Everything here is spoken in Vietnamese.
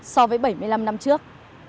so với bảy mươi năm năm trước